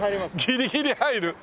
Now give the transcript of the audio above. ギリギリ入る？